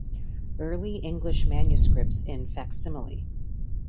Early English Manuscripts in Facsimile.